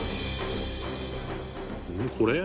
「これ？」